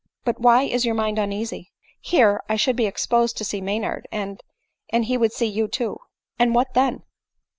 " But why is your mind uneasy ?"" Here I should be exposed to see Maynard, and— and — he would see you too." " And what then